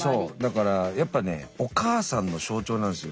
だからやっぱねお母さんの象徴なんですよ